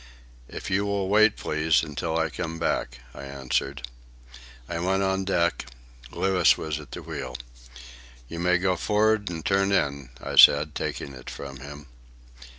"If you will wait, please, until I come back," I answered. I went on deck. Louis was at the wheel. "You may go for'ard and turn in," I said, taking it from him.